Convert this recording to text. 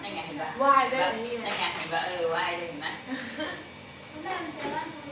นั่นไงเห็นป่ะเออว่ายได้เห็นไหม